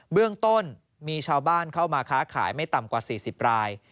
เบื้องต้นมีชาวบ้านเข้ามาค้าขายไม่ต่ำกว่า๔๐ราย